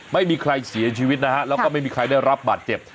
ไม่มีใครเสียชีวิตนะฮะแล้วก็ไม่มีใครได้รับบาดเจ็บ